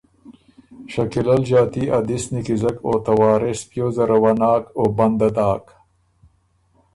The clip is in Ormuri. شکیلۀ ل ݫاتي ا دِس نیکیزک او ته وارث پیوزه زره وه ناک او بنده داک،